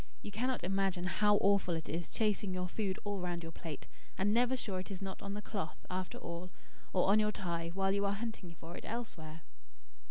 You cannot imagine how awful it is chasing your food all round your plate, and never sure it is not on the cloth, after all, or on your tie, while you are hunting for it elsewhere."